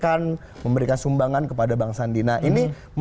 apakah ada undang undang